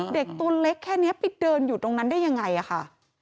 เด็กตัวเล็กแค่นี้ไปเดินอยู่ตรงนั้นได้ยังไงค่ะ